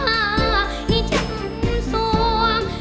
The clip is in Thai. ให้ชั้นสวง